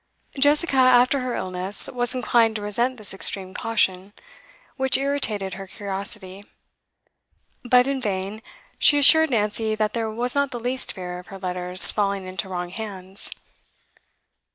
Jessica, after her illness, was inclined to resent this extreme caution, which irritated her curiosity; but in vain she assured Nancy that there was not the least fear of her letters falling into wrong hands.